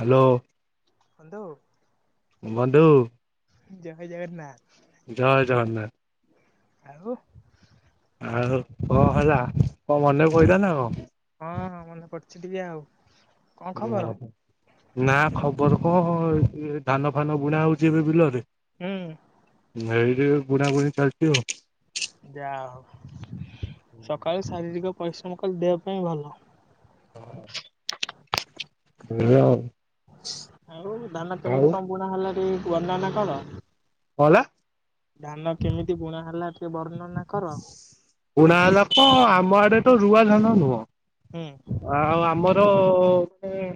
Hello. ବନ୍ଧୁ। ବନ୍ଧୁ। ଜୟ ଜଗନ୍ନାଥ। ଜୟ ଜଗନ୍ନାଥ। ଆଉ। ଆଉ କଣ ହେଲା କଣ ମନେ ପଇଲା ନା କଣ। ଅଛି ଟିକେ ଆଉ। କଣ ଖବର? ଓଃ। ନା ଖବର କଣ ଇଏ ଧାନ ଫାନ ବୁଣା ହଉଛି ଏବେ ବିଲରେ। ହୁଁ। ଏମତି ବୁଣାବୁଣି ଚାଲିଛି ଆଉ। ଯାହା ହଉ ସକାଳୁ ଶାରୀରିକ ପରିଶ୍ରମ କଲେ ଦେହ ପାଇଁ ଭଲ। ଖାଲି [unintelligible] ଆଉ ଧାନ ଆଉ କେମିତି କଣ ବୁଣା ହେଲା ଟିକେ ବର୍ଣ୍ଣନା କର। କଣ ହେଲା? ଧାନ କେମିତି ବୁଣା ହେଲା ଟିକେ ବର୍ଣ୍ଣନା କର। ବୁଣା ହେଲା ତ ଆମ ଆଡେ ତ ରୁଆ ଧାନ ନୁହଁ। ହୁଁ ଆଉ ଆମ ଆ ମାନେ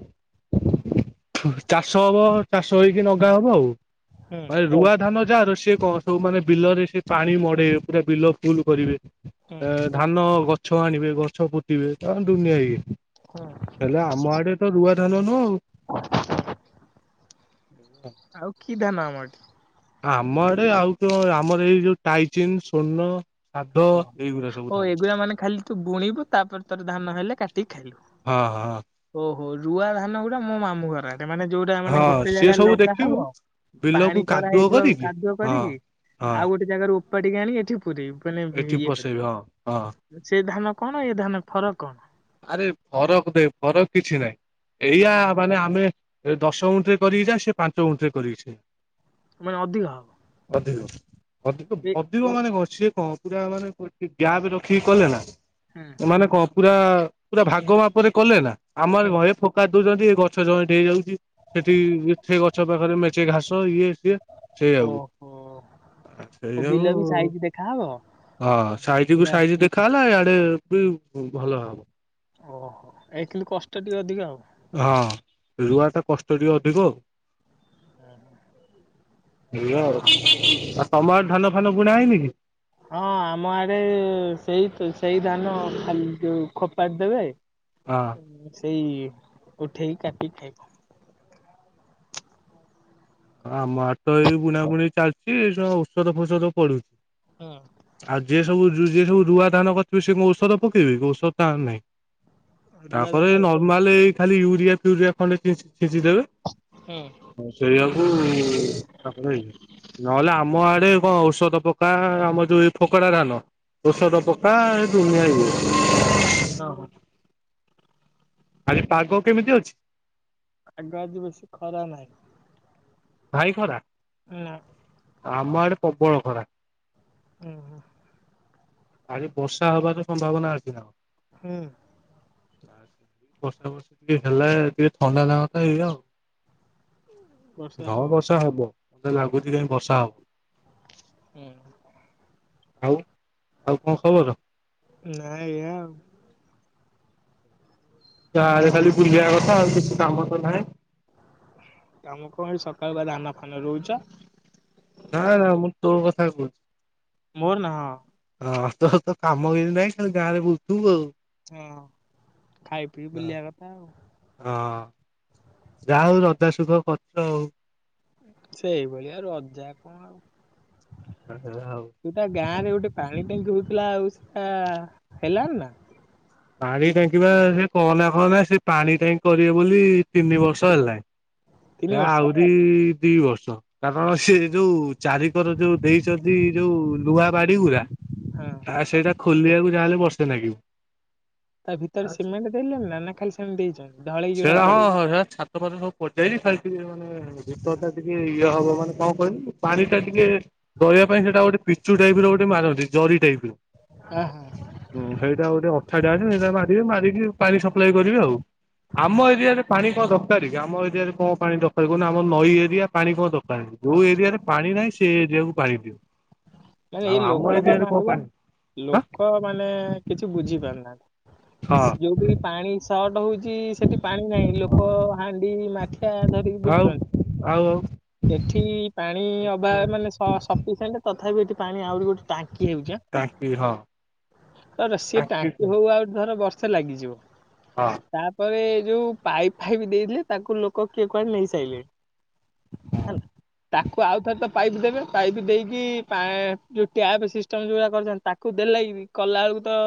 ଚାଷ ହବ ଚାଷ ହେଇକି ନଗା ହବ ଆଉ। ହୁଁ ଭାଇ ରୁଆ ଧାନ ଯାହାର ସେ ସେ କଣ ସବୁ ମାନେ ବିଲରେ ସେ ପାଣି ମଡେଇବେ ପୁରା ବିଲ ଫୁଲ କରିବେ। ହୁଁ ଅ ଧାନ ଗଛ ଗଛ ଆଣିବେ ଗଛ ପୁତିବେ ତା [unintelligible] ହୁଁ ହେଲେ ଆମ ଆଡେ ତ ରୁଆ ଧାନ [unintelligible] ନ ଆଉ। ଆଉ [unintelligible] ଆମ ଆଡେ ଆଉ ତ ଆମର ଏଇ ଯୋଉ ଟାଇଚନ୍, ସ୍ୱର୍ଣ୍ଣ ଓ ହ ଏଗୁଡା ମାନେ ଖାଲି ତୁ ବୁଣିବୁ ତାପରେ ତୋର ଧାନ ହେଲେ କାଟିକି ଖାଇଲୁ ହଁ ହଁ ଓ ହଉ ରୁଆ ଧାନ ଗୁଡା ମୋ ମାମୁଁ ଘର ସେମାନେ ଯୋଉଟା ମାନେ ହଁ ଗୋଟେ ସିଏ ଜାଗା ସବୁ ଲଗା ହବ ଦେଖିବୁ ବିଲକୁ ପାଣି କାଦୁଅ କରାହେଇଥିବ କରିକି କାଦୁଅ ହଁ କରିକି ହଁ ଆଉ ଗୋଟେ ଜାଗାରୁ ପଡ଼ିିକାଣି ଏଠି ପୁରେ [unintelligible] ମାନେ ଏଠି ଇଏ ପସେଇବି ହଁ ହଁ କରିବେ ସେ ଧାନ କଣ ଇଏ ଧାନ ଫରକ କଣ? ଆରେ ଫରକ ଦେ ଫରକ କିଛି ନାଇଁ ହୁଁ ଏଇଆ ମାନେ ଆମେ ଏ ଦଶ ଗୁଣ୍ଠ ରେ କରିକି ଯା ସେ ପାଞ୍ଚ ଗୁଣ୍ଠ ରେ କରିକି ସେଇ ମାନେ ଅଧିକ ହବ। [unintelligible] ଅଧିକ ଏ ଅଧିକ ମାନେ କ ସିଏ କଣ ପୁରା ମାନେ କେ ଗ୍ୟାପ୍ ରଖିକି କଲେ ନା ହୁଁ ମାନେ କଣ ପୁରା ପୁରା ଭାଗ ମାପରେ କଲେ ନା ଆମର। ହୁଁ [unintelligible] ଦଉଛନ୍ତି ଏ ଗଛ ଜମଟ ହେଇଯାଉଛି ସେଠି ସେ ଗଛ ପାଖରେ ମେଚେଇ ଘାସ ଇଏ ସେଆବ ଓହୋ ଓ ସେଇଆଉ ବିଲ ବି ସାଇଜ ଦେଖାହବ ହଁ ସାଇଜିକୁ ପୁରା ସାଇଜି ଦେଖା ହେଲା ଇଆ ବି ଭଲ ହବ। ଓହୋ ଏଇଥିଲି କଷ୍ଟ ଟିକେ ଅଧିକା ଆଉ ହଁ ରୁଆ ଟା କଷ୍ଟ ଟିକେ ଅଧିକ। ହୁଁ। ଆଉ ତମ ଆଡେ ଧାନ ଫାନ ବୁଣା ହେଇନି କି? ହଁ ଆମ ଆଡେ ସେଇ ସେଇ ଧାନ ଖାଲି ଯୋଉ ଖୋପାର ଦେବେ ହଁ ସେଇ। ଉଠେଇ କାଟିି ଖାଇବ। ଆମଆଡ଼େ ତ ଏଇ ବୁଣା ବୁଣି ଚାଲିଛି ଏଣ ଔଷଧ ଫଔଷଧ ପଡୁଛି। ଆ ଯେ ସବୁ ଯିଏ ସବୁ ରୁଆ ଧାନ କରିଥିବେ ସେ ଔଷଧ ପକେଇବି କି ଔଷଧ ନାହିଁ। ହୁଁ ରୁଆ ତାପରେ ଧାନ ହୁଁ ନର୍ମାଲ ଖାଲି ହୁଁ [unintelligible] [unintelligible] ନହେଲେ ଆମ ଆ ଆଡେ କଣ ଔଷଧ ପକା ଆମର ଯୋଉ ଏଇ ଫୋକଡା ଧାନ ଓଷଧ ପକା [inaudible] ହଁ ହଁ। ଆରେ ପାଗ କେମିତି ଅଛି? ଆଗ ଆଜି ବେଶୀ ଖରା ନାହିଁ। ଭାଇ ଖରା ନା ଆମ ଆଡ଼େ ପ୍ରବଳ ଖରା। ଓ ହୋ। ଆଜି ବର୍ଷା ହବାର ସମ୍ଭାବନା ଅଛି ନା କଣ। ହୁଁ। ବର୍ଷା ବର୍ଷି ଟିକେ ହେଲେ ଟିକେ ଥଣ୍ଡା ଲାଗନ୍ତା ଏଇଆ। ବର୍ଷା ହଁ ହଉ ବର୍ଷା ହବ ମତେ ଲାଗୁଛି କାଇହିଁ ବର୍ଷା ହବ। ହୁଁ। ଆଉ। ଆଉ କଣ ଖବର? ନାଇଁ ଏୟା। ତ ଖାଲି ବୁଲିବା କଥା କିଛି କାମ ତ ନାହିଁ। ତମ କଣ ସକାଳୁ ବା ଧାନା ଫାନ ରୋଉଛ? ନା ନା ମୁଁ ତୋ କଥା କହୁଛି। ମୋର ନା ହଁ। ହଁ ତ ତ କାମ କରି ନାହିଁ ଖାଲି ଗାଁରେ ବୁଲ୍ଥିବୁ ଆଉ। ହଁ ଖାଇ ପିଇ ବୁଲିବା କଥା ଆଉ। ଯା ହଉ ରଜା ସୁୁଖ କରଛ ଆଉ। ସେଇଭଳିଆ ଆଉ ରଜା କଣ ଆଉ। ହଉ। ତୁଟା [unintelligible] ପାଣି [unintelligible] ହଉଥିଲା ଆଉ ସେଟା ହେଲାଣି ନା। ପାଣି ଟାଙ୍କିବା ସେ କହନା କହନା ସେ ପାଣି ଟାଙ୍କି କରିବେ ବୋଲି ତିନି ବର୍ଷ ହେଲାଣି ତିନି ହେ ବର୍ଷ ଆହୁରି ଦି ବର୍ଷ କାରଣ ସେ ଯୋଉ ଚାରିିକର ଯୋଉ ଦେଇଛନ୍ତି ଯୋଉ ଲୁହା ବାଡି ଗୁରା ହଁ ତା ସେଇଟା ଖୋଲିବାକୁ ଯାଁ ହେଲେ ବର୍ଷେ ଲାଗିବ। ତା ଭିତରେ ସିମେଣ୍ଟ ଦେଲେଣି ନା ନା ଖାଲି ସେମିତି ଦେଇଛନ୍ତି ଢଳେଇ ଯୋଉଟା ସେଟା ପଡେ ହଁ ସେଇଟ ଛାତ ମାତ ସବୁ ପଚେଇ [inaudible] କଥା ଟିକେ ଇଏ ହବ ମାନେ କଣ କହିଲି ପାଣି ଟା ଟିକେ ରହିବା ପାଇଁ ସେଟା ଗୋଟେ ପିଚୁ ଟାଇପ ର ଗୋଟେ ମାରନ୍ତି ଜରି ଟାଇପ ର ହଁ ହଁ ହୁଁ ସେଇଟା ଆଉ। ଛାେ ଆସ ସେଟା ମାରିବେ ମାରିକି ପାଣି ସପ୍ଲାଏ କରିବେ ଆଉ ଆମ ଏରିଆରେ ପାଣି କଣ ଦରକାର କି ଆମ ଏରିଆରେ କଣ ପାଣି ଦରକାର କହୁନୁ ଆମ ନଈ ଏରିଆ ପାଣି କଣ ଦରକାର ପା ଯୋଉ ହଁ ଏରିଆରେ ପାଣି ନାହିଁ ସେ ଏରିଆକୁ [inaudible] ମାନେ ଆଉ ଏଇ ଆମ ଲୋକ ବା ଏରିଆରେ କଣ ମଡୁଆ ପାଣି ଆଁ ଲୋକ ମାନେ କିଛି ବୁଝି ପାରୁନାହାନ୍ତି। ଯୋଉ ବିି ପାଣି ସର୍ଟ ହଉଛି ସେଠି ପାଣି ନାହିଁ ହଁ। ଲୋକ ହାଣ୍ଡି ମାଠିଆ ଧରିକି ଆଉ ବୁଲୁଛନ୍ତି ଆଉ ଆଉ ଏଠି ପାଣି ସେ ଅଭାବ ମାନେ ସିଣ୍ଟ ତଥାପି ଏଠି ପାଣି ଆହୁରି ଗୋଟେ ଟାଙ୍କି ହେଉଛି ଟାଙ୍କି ହଁ ସେ ଟାଙ୍କି ହଉ ଆ ଧର ବର୍ଷ ସେ ଲାଗିଯିବ। ହଁ ତାପରେ ଯୋଉ ପାଇପ୍ ଫାଇପ୍ ଦେଇଥିଲେ ତାକୁ ଲୋକ କିଏ କୁଆଡେ ନେଇ ସାରିଲେନି ହେଲା ତାକୁ ଆଉଥର ତ ପାଇପ୍ ଦେବେ ପାଇପ୍ ଦେଇକି ପା ଯୋଉ ଟ୍ୟାପ ସିଷ୍ଟମ ଯୋଉଡା କରିଛନ୍ତି ତାକୁ ଦେଲେ କଲା ବେଳକୁ ତ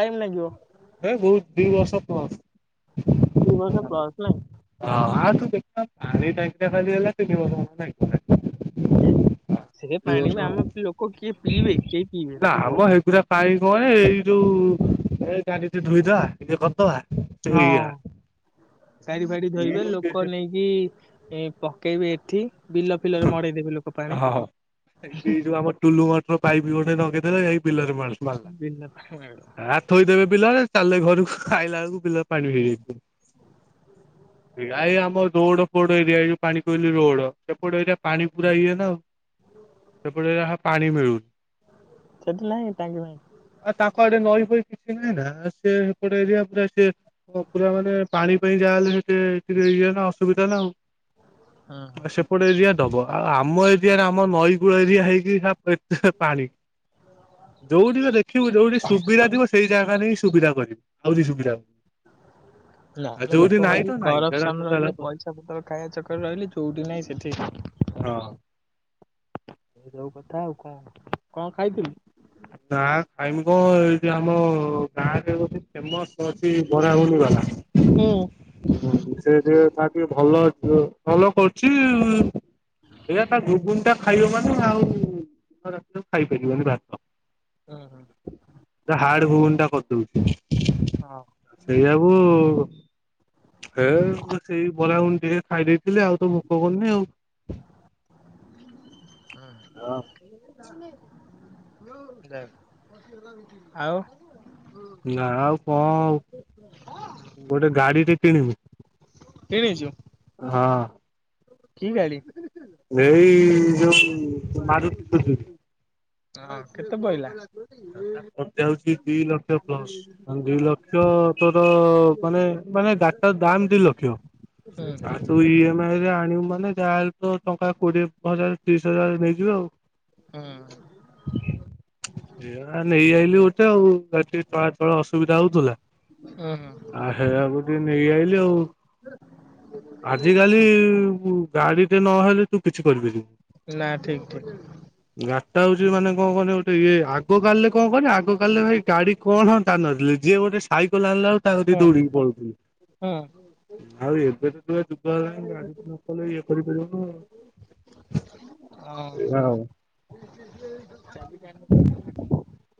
ଟାଇମ ଲାଗିବ। ହଁ ବହୁତ ଦି ବର୍ଷ ଦି ବର୍ଷ ପରେ ନାଇଁ। [inaudible] ଆ ଟଙ୍କ ଖାଲି ହେଲା [inaudible] ସେଥି ଦି ପାଣି ବି ବର୍ଷ ଆମ ଲୋକ କିଏ ପିଇବେ କେହି ପିଇବେନି। କାଇଁ କଣ ଏଇ ଯୋଉ ଚ ଧୋଇଦବା [inaudible] ହଁ ଏଇଆ ଚାାରି ଫାଡି ଧୋଇବେ ଲୋକ ନେଇକି ଏ ପକେଇବେ ଏଠି ବିଲ ଫିଲରେ ମଡେଇଦେବେ ଲୋକ ପାଣି। ହଁ ଏଇ ଯୋଉ ଆମର ଟୁଲୁ ମଠର ପାଇପ ବି ଗୋଟେ ନଗେଇଦେ ଏଇ ବିଲରେ ମାଳ ବିନା ପାଖରେ। ଥୋଇଦେବେ ବିଲରେ ତାହେଲେ ଘରକୁ ଖାଇଲା ବେଳକୁ ବିଲ ପାଣୀ ହୁଁ ହେଇଯାଇଥିବ। ମ ରୋଡ ଫୋଡ ଏରିଆ ଏଇ ଯୋଉ ପାଣି କୋଇଲିି ରୋଡ। ସେପଟ ଏରିଆ ପାଣି ପୁରାଇ ଇଏ ନା ଆଉ। ସେପଟ ଏରିଆ ପାଣି ମିଳୁ ସେଠି ନାଇଁ ଟାଙ୍କି ପାଇଁ ଆଉ ତାଙ୍କ ଆଡେ ନଈ କିଛି ନାହିଁ ନା ସେ ସେପଟେ ଏରିଆ ପୁରା ସେ ପୁରା ମାନେ ପାଣି ପାଇଁ ଯାହା ହେଲେ ସେ ଇଏ ନା ଅସୁବିଧା ନା ଆଉ। ହଁ ହ। ଏ ଦବ ଆଉ ଆମ ଏରିଆରେ ଆମ ନଈ କୂଳ ଏରିଆ ହେଇକି ଏତେ ପାଣି ଯୋଉଠିକ ଦେଖିବୁ ଯୋଉଠି ସୁବିଧା ଥିବ ସେଇ ଜାଗା ନେଇଁ ସୁବିଧା କରିବି। ନା ଆଉ ମୋ ଯୋଉଠି ଲୋକ ନାହିଁ ତ ଭଲି ନାଇଁ ସେଟା କରପସନ ଟୋଟାଲ ରହିଲେ ହଁ ପଇସା ପତ୍ର ଖାଇବା ଚକରରେ ରହିଲେ ଯୋଉଠି ନାହିଁ ସେଠି ହଁ। ଯୋଉ କଥା ଆଉ କଣ। କଣ ଖାଇଥିଲୂ? ନାଁ ଖାଇମି କଣ ଏଇଠି ଆମ ଗାଁରେ ଗୋଟେ ଫେମସ୍ ଅଛି ବରା ଘୁଗୁନି ବାଲା ହୁଁ ସେ ତାର ଟିକେ ଭଲ ଅ ଭଲ କରୁଛି ଏକା ତା ଗୁଗୁନି ଟା ଖାଇହବନି ମାନେ ଆଉ ରାତି ଖାଇପାରିବନି ଭାତ। ହୁଁ ହାଡ଼ ଘୁଗୁନି ଟା କର ହଉ [inaudible] ସେଇଆକୁୁ ହେଁ ସେଇ ବରା ଘୁଗୁନି ଟିକେ ଖାଇଦେଇଥିଲି ଆଉ ତ ଭୋକ କରିନି ଆଉ। ହଁ। ଆଉ। ନାଁ ଆଉ କଣ ଆଉ ଗୋଟେ ଗାଡି ଟେ କିଣିବୁ। କିଣିଛୁ? ହଁ। କି ଗାଡି? ଏଇ ଯୋଉ ମାରୁତୀ ସୁଜୁକି। ହଁ କେତେ ପଇଲା? ଟ ହଉଛି ଦି ଲକ୍ଷ ପ୍ଲସ ଦି ଲକ୍ଷ ତୋର ମାନେ ମାନେ ଗାଦିଟା ଦାମ ଦି ଲକ୍ଷ। ହୁଁ ହୁଁ ହଁ ତୁ ଇ ଏମ ଆଇରେ ଆ ଣିବୁ ମାନେ ଯାହାହେଲେ ତ ଟଙ୍କା କୋଡିଏ ହଜାର ତିରିଶ ହଜାର ନେଇଯିବେ ଆଉ। ହୁଁ ଏଇଆ ନେଇ ଆଇଲିି ଗୋଟେ ଆଉ ଗାତି ତଳେ ତଳେ ଅସୁବିଧା ହଉଥିଲା ହୁଁ ଆଉ ହେଇଆକୁ ଟିକେ ନେଇ ଆଇଲିି ଆଉ। ଆଜିିକାଲି ଗାଡିଟେ ନହେଲେ ତୁ କିଛି କରିପାରିନି। ନା ଠିକ୍ ଠିକ୍। ତା ହଉଛି ମାନେ କଣ କହିଲୁ ତ ଇଏ ଆଗ କାଲିରେ କଣ କହନି ଆଗ କାଲିରେ ଭାଇ ଗାଡି କଣ ଜାଣିନଥିଲେ। ଯିଏ ଗୋଟେ ସାଇକଲ ଆଲା ହୁଁ ଦୌଡିକି ପଳୁଥିଲି ହୁଁ ଆଉ ଏ ଏବେ ଯୁଗ ହେଲାଣି ଗାଡ଼ି ଟେ ନକଲେ ଇଏ ହଁ କରିପାରିବନି ଆଉ ହଁ।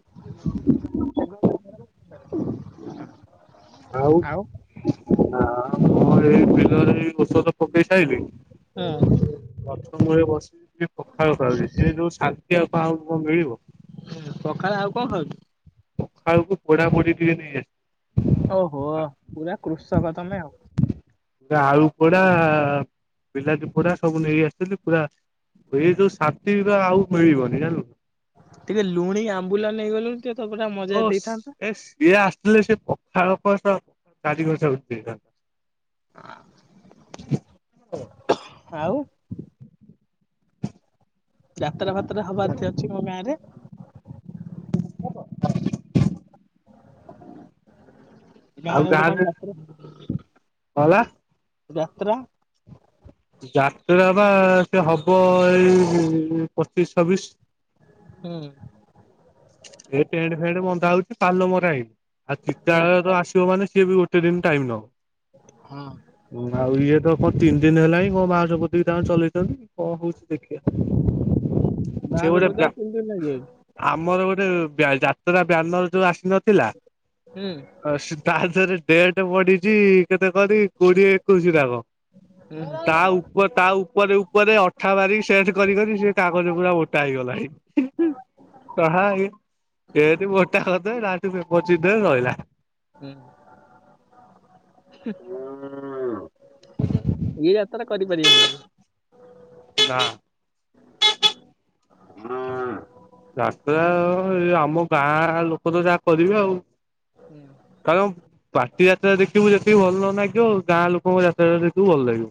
[inaudible] [inaudible] ଆଉ ହ। [unintelligible] ତ ପକେଇ ସାରିଲି ହୁଁ ହୁଁ। ଗଛ ମୂଳେ ବସି ପଖାଳ ଖାଉଛି ସେ ଯୋଉ ଶାନ୍ତି ଆଉ କଣ ମିଳିବ। ପଖାଳ ଆଉ କଣ ଖାଉଛୁ? ପଖାଳକୁ ପୋଡ଼ା ପୋଡି ଟିକେ ନେଇ ଆସି ଓହୋ ପୁରା କୃଷକ ତମେ ଆଉ। ଆଳୁ ପୋଡା ବିଲାତି ପୋଡା ସବୁ ନେଇ ଆସିଥିଲି ପୁରା ଏଇ ଯୋଉ ଶାନ୍ତି ଆଉ ମିଳିବନି ଜାଣିଲୁ। ଟିକେ ଲୁଣୀ ଆମ୍ବୁଲା ନେଇ ଗଲୁନି। ଓସ୍ ଏସ୍ ଇଏ ଆସିଥିଲେ ସେ [inaudible] ଆଉ [inaudible] [unintelligible] ଯାତ୍ରା ଫାତ୍ର ହେବା ଅଛି ମୋ ଗାଁରେ? [inaudible] ଗାଁରେ ଗୋଟେ କଣ ଯାତ୍ରା ଗଲା ଯାତ୍ରା। ଯାତ୍ରା ବା ସେ ହବ ଏଇ ପଚିଶ ଛବିଶ। ହୁଁ। ଏଇ ଟେଣ୍ଟ ଫେଣ୍ଟ ବନ୍ଧା ହଉଚଛି ପାଲ ମରା ହେଇିନି। ଆଉ ହୁଁ ଚୀତାଳୟରୁ ଆସିବ ମାନେ ସିଏ ବି ଗୋଟେ ଦିନ ଟାଇମ୍ ହଁ ନବ। ହୁଁ ଆଉ ଇଏ ତ କଣ ଦିନ ହେଲାଣିଁ କଣ ବାଉଁଶ ପୋତି ତାଙ୍କା ଚଳେଇଚନ୍ତି। ହଁ ହଉଛି ଦେଖିବା ସେ ବାଉଁଶ ଗଟେ ପୂଜା ବ୍ୟା ତିନି ଦିନି ଲାଗିଯାଉଛି ଆ ଗୋଟେ ଯାତ୍ରା ବ୍ୟାନର ଯୋଉ ଆସ ନଥିଲା ହୁଁ ତା ଦେହରେ ଦେଏଟ ବଢିଛି। କେତେ କରି କୋଡିଏ ଏକୋଇଶି ଯାକ ହୁଁ ତା ଉପ ତା ଉପରେ ଉପରେ ଅଠା ବାରି ସେଟେ କରିି କରି ସେ କାଗଜ ପୁରା ମୋଟା ହେଇଗଲାଣି ହଁ [inaudible] ରହିଲା। ହଁ। [inaudible] ହାତର କରିପାରିବେନି ହଁ। [inaudible] ରାସ୍ତା ଆମ ଗାଁ ଲୋକ ତ ଯାହା କରିବେ ଆଉ। ହୁଁ [inaudible] ପାଟି ଯାତ୍ରା ଦେଖିବୁ। ସେ ଭଲ ନାଗିବ ଗାଁ ଲୋକଙ୍କ ଯାତତାୁ ଭଲ ଲାଗିବ।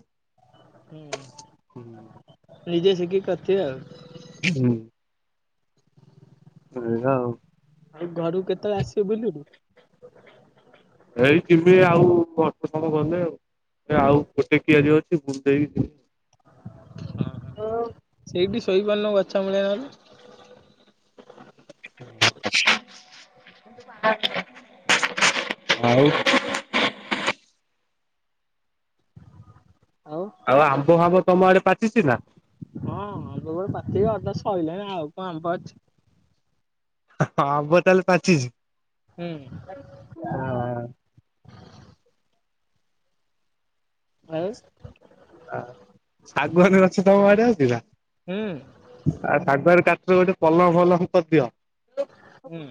ହୁଁ। ନିଜେ ଶିଖି କରି ଥିବେ ଆଉ। ହୁଁ। [inaudible] ଆଉ ଘରକୁ କେତେବେଳେ ଆସିବେ ବୁଲୁୁ ହେଇ ଯିମି ଆଉ [inaudible] ଆଉ ଗୋଟେ କିଆରି ହଉଚି ସେ ସେଇଠି ସୋଇପାରୁନ ଚମଲିଆ- ଆଉ। ଆଉ ଆମ୍ବ ଫାମ୍ବ ତମ ଆଡେ ପାଚିଛି ନା। ସାଇଲେଣି ଆଉ କଣ ଅଛି? ହଁ ଆମ୍ବ ତାହଲେ ପାଚିଚି? ହୁଁ ହୁଂ। ଆଉ ଶାଗୁଅନ ଗଛ ତମ ଆଡେ ଅଛି? ହୁଁ [unintelligible] [inaudible] ଗୋଟେ ପଲଙ୍ଗ ଫଲଙ୍ଗ କରିଦିଅ। ହୁଁ।